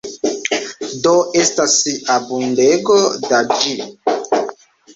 Do, estas abundego da ĝi.